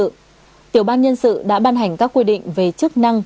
tổ giúp việc của tiểu ban nhân sự đã ban hành các quy định về chức năng